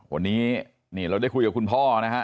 วันนี้นี่เราได้คุยกับคุณพ่อนะฮะ